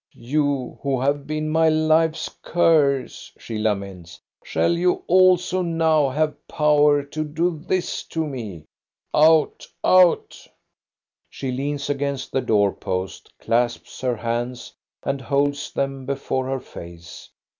" You who have been my life's curse," she laments^ " shall you also now have power to do this to me ?"" Out, out !" She leans against the door post, clasps her hands, and holds them before her face.